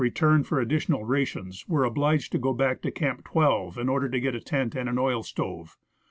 return for additional rations, were obliged to go back to Camp 12 in order to get a tent and an oil stove.